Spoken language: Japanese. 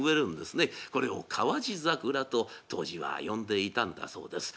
これを川路桜と当時は呼んでいたんだそうです。